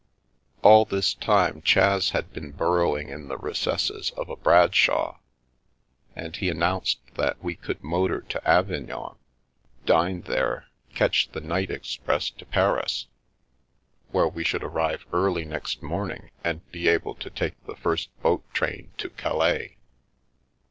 All this time Chas had been burrowing in the recesses of a Bradshaw, and he announced that we could motor to Avignon, dine there, catch the night express to Paris, where we should arrive early next morning, and be able to take the first boat train to Calais.